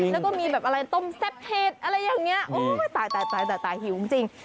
แล้วก็มีแบบอะไรต้มแซ่บเห็ดอะไรอย่างนี้โอ้ยตายหิวจริง